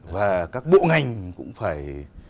và các bộ ngành cũng phải